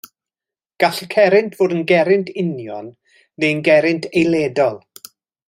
Gall y cerrynt fod yn gerrynt union neu'n gerrynt eiledol.